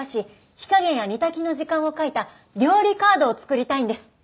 火加減や煮炊きの時間を書いた料理カードを作りたいんです」